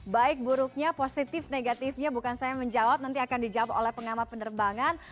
baik buruknya positif negatifnya bukan saya menjawab nanti akan dijawab oleh pengamat penerbangan